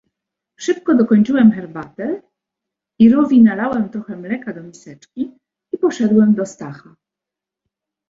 "Szybko dokończyłem herbatę, Irowi nalałem trochę mleka do miseczki i poszedłem do Stacha."